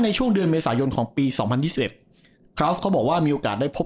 ในช่วงเดือนเมษายนของปี๒๐๒๑เขาบอกว่ามีโอกาสได้พบ